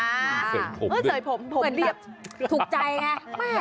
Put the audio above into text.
เหมือนเรียบถูกใจไง